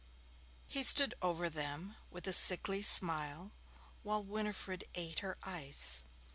He stood over them with a sickly smile, while Winifred ate her ice.